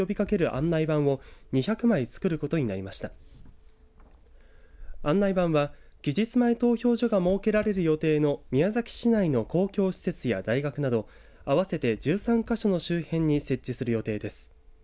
案内板は期日前投票所が設けられる予定の宮崎市内の公共施設や大学など合わせて１３か所の周辺に設置する予定です。